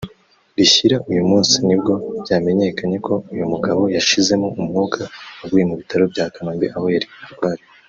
rishyira uyu munsi nibwo byamenyekanye ko uyu mugabo yashizemo umwuka aguye mu bitaro bya Kanombe aho yari arwariye